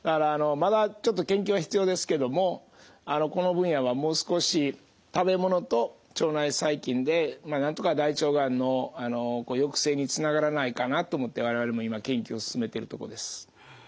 まだちょっと研究が必要ですけどもこの分野はもう少し食べ物と腸内細菌でなんとか大腸がんの抑制につながらないかなと思って我々も今研究を進めてるとこです。